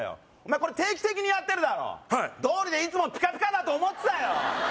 これ定期的にやってるだろはい道理でいつもピカピカだと思ってたよ